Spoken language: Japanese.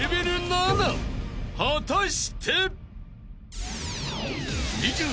［果たして？］